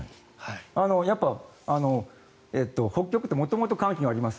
やっぱり北極って元々、寒気があります。